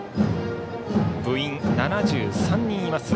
部員７３人います